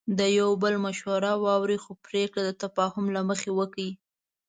د یو بل مشوره واورئ، خو پریکړه د تفاهم له مخې وکړئ.